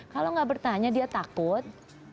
kalau nggak bertanya dia takut